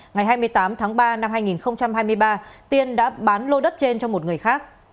ngày hai mươi tám tháng ba năm hai nghìn hai mươi ba tiên đã bán lô đất trên cho một người khác